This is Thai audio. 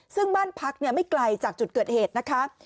ซึ่งบ้านพักไม่ไกลจากจุดเกิดเหตุนะคะ